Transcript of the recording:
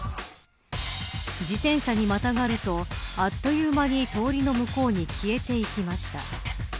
自転車にまたがるとあっという間にとおりの向こうに消えていきました。